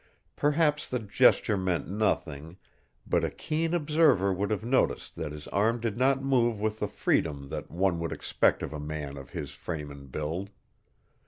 Perhaps the gesture meant nothing, but a keen observer would have noticed that his arm did not move with the freedom that one would expect of a man of his frame and build.